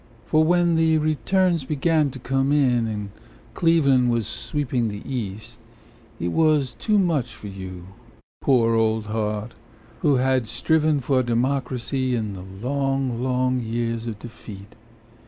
For when the returns began to come in And Cleveland was sweeping the East It was too much for you, poor old heart, Who had striven for democracy In the long, long years of defeat.